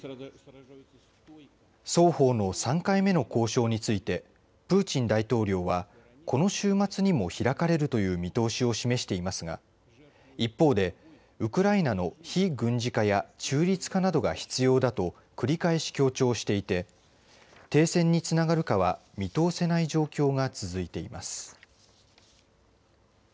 双方の３回目の交渉についてプーチン大統領はこの週末にも開かれるという見通しを示していますが一方でウクライナの非軍事化や中立化などが必要だと繰り返し強調していて停戦につながるかは見通せない状況が続いています。